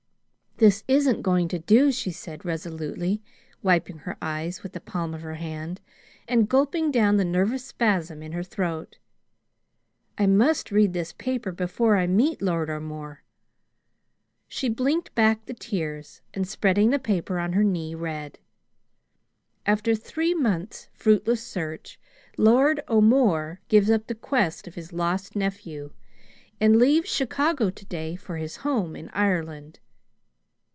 "This isn't going to do," she said, resolutely wiping her eyes with the palm of her hand and gulping down the nervous spasm in her throat. "I must read this paper before I meet Lord O'More." She blinked back the tears and spreading the paper on her knee, read: "After three months' fruitless search, Lord O'More gives up the quest of his lost nephew, and leaves Chicago today for his home in Ireland."